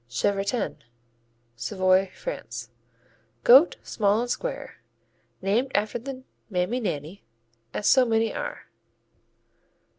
Chevretin Savoy, France Goat; small and square. Named after the mammy nanny, as so many are.